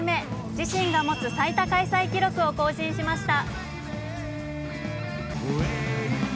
自身が持つ最多開催記録を更新しました。